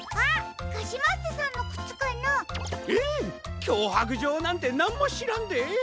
きょうはくじょうなんてなんもしらんで！？